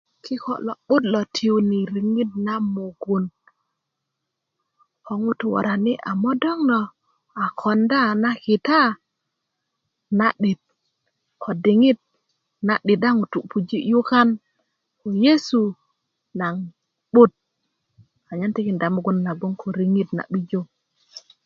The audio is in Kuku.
kiko lo 'but lo tiyuni riŋit na mugun ko ŋutu' worani' a modoŋ lo a konda na kita na 'dit ko diŋit na'dit a ŋutu' puji' yukan ko nyesu na'but anyen tikinda mugun nagon ko riŋit na 'bijo